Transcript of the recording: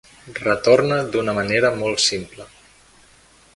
Retorna d'una manera molt simple.